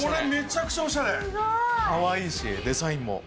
かわいいし、デザインも。